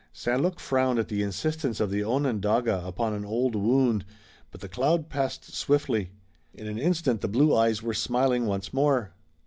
St. Luc frowned at the insistence of the Onondaga upon an old wound, but the cloud passed swiftly. In an instant the blue eyes were smiling once more.